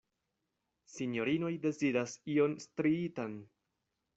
Sinjorinoj deziras ion striitan!